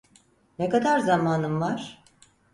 Ne kadar zamanın var?